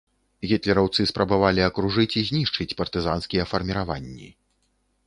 Гітлераўцы спрабавалі акружыць і знішчыць партызанскія фарміраванні.